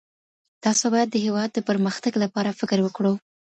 تاسو بايد د هېواد د پرمختګ لپاره فکر وکړو.